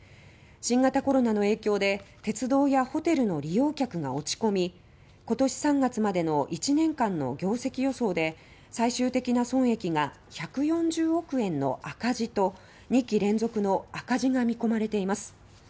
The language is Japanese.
新型コロナの影響で鉄道やホテルの利用客が落ち込み今年３月までの１年間の業績予想で最終的な損益が１４０億円の赤字と２期連続の赤字が見込まれています。